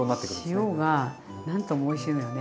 塩がなんともおいしいのよね。